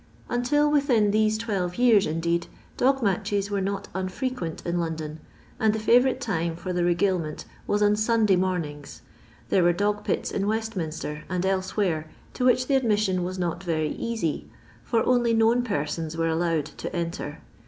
Until within these twelve years, indeed, dog matches were not unfrequent in London, and the favourite time for the regalement was on Sunday mornings. There were dog pits in Westminster, and elsewhere, to which the admission was not very easy, for only known persons were allowed to enter.